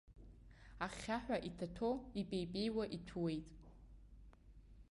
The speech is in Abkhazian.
Ахьхьаҳәа иҭаҭәо, ипеи-пеиуа иҭәуеит.